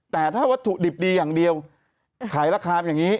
แต่ถ้าวัตถุดิบดีอย่างเดียวขายราคาอย่างนี้